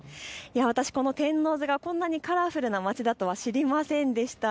私、この天王洲が、こんなカラフルな街だとは知りませんでした。